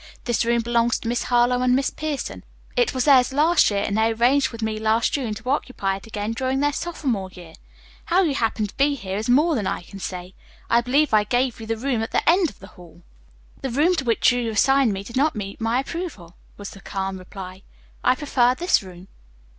This room belongs to Miss Harlowe and Miss Pierson. It was theirs last year and they arranged with me last June to occupy it again during their sophomore year. How you happened to be here is more than I can say. I believe I gave you the room at the end of the hall." "The room to which you assigned me did not meet with my approval," was the calm reply. "I prefer this room."